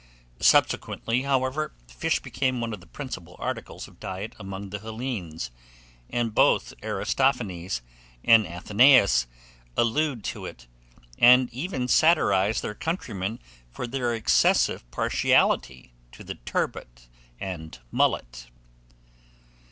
Subsequently, however, fish became one of the principal articles of diet amongst the Hellenes; and both Aristophanes and Athenaeus allude to it, and even satirize their countrymen for their excessive partiality to the turbot and mullet.